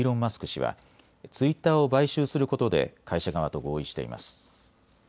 氏はツイッターを買収することで会社側と合意しています。